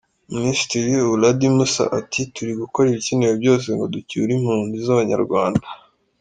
Minisitiri Uladi Mussa ati “Turi gukora ibikenewe byose ngo ducyure impunzi z’abanyarwanda.